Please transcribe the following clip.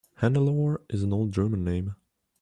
Hannelore is an old German name.